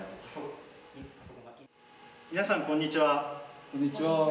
皆さん、こんにちは。